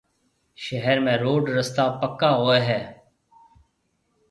شهر ۾ روڊ رستا پَڪا هوئي هيَ۔